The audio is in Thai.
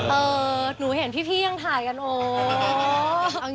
หนูเห็นพี่ยังถ่ายกันโอ๊ย